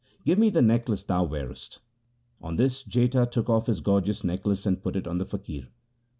Give me the necklace thou wearest.' On this Jetha took off his gorgeous necklace, and put it on the faqir.